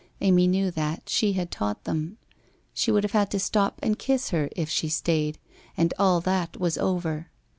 Amy knew that; she had taught them. She would have had to stop and kiss her if she stayed. And all that was over.